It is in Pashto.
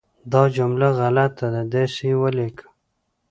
دا جمله غلطه ده، داسې یې ولیکه